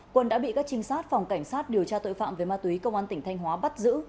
quân đã bị các trinh sát phòng cảnh sát điều tra tội phạm về ma túy công an tỉnh thanh hóa bắt giữ